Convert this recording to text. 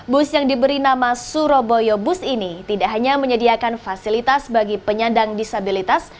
bus yang diberi nama surabaya bus ini tidak hanya menyediakan fasilitas bagi penyandang disabilitas